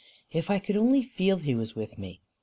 "If I could only feel he was with me!"